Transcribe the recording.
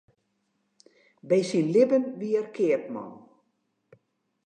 By syn libben wie er keapman.